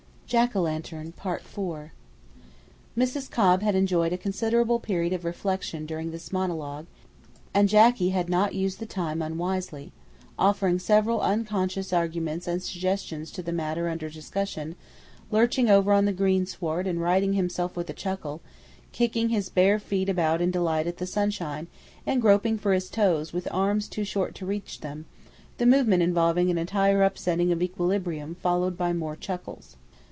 IV Mrs. Cobb had enjoyed a considerable period of reflection during this monologue, and Jacky had not used the time unwisely, offering several unconscious arguments and suggestions to the matter under discussion; lurching over on the greensward and righting himself with a chuckle, kicking his bare feet about in delight at the sunshine and groping for his toes with arms too short to reach them, the movement involving an entire upsetting of equilibrium followed by more chuckles.